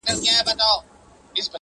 • دا جاهل او دا کم ذاته دا کم اصله..